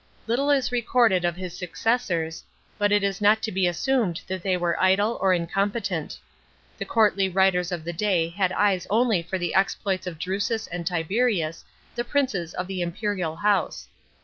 Little is recorded of his successors, but it is not to be assuired that they were idle or incompetent. The courtly writers of tlv* day had eyes only for the exploits of D'usus and Tiberius, the princes of the imperial house.